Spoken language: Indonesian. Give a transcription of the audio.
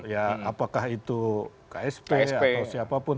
ya apakah itu ksp atau siapapun